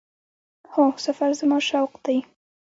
هو، سفر زما شوق دی